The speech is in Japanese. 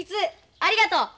ありがとう！